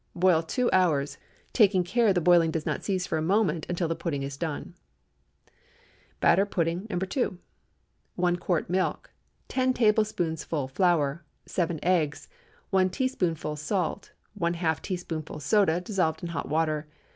Boil two hours, taking care the boiling does not cease for a moment until the pudding is done. BATTER PUDDING (No. 2.) 1 quart milk. 10 tablespoonfuls flour. 7 eggs. 1 teaspoonful salt. ½ teaspoonful soda, dissolved in hot water.